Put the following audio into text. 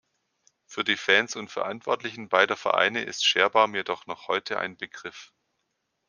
Für die Fans und Verantwortlichen beider Vereine ist Scherbaum jedoch noch heute ein Begriff.